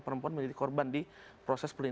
perempuan menjadi korban di proses